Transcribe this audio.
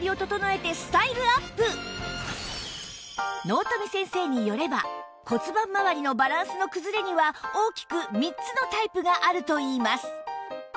納富先生によれば骨盤まわりのバランスの崩れには大きく３つのタイプがあるといいます